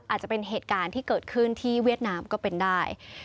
อาจจะเป็นเหตุการณ์ที่เกิดขึ้นที่เวียดนามก็เป็นได้